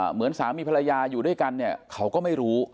เหมือนสามีภรรยาอยู่ด้วยกันเนี่ยเขาก็ไม่รู้